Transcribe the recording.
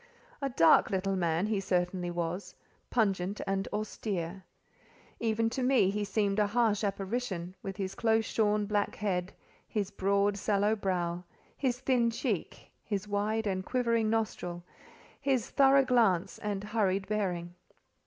A dark little man he certainly was; pungent and austere. Even to me he seemed a harsh apparition, with his close shorn, black head, his broad, sallow brow, his thin cheek, his wide and quivering nostril, his thorough glance, and hurried bearing.